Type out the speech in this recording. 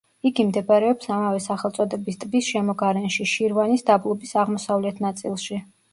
იგი მდებარეობს ამავე სახელწოდების ტბის შემოგარენში, შირვანის დაბლობის აღმოსავლეთ ნაწილში.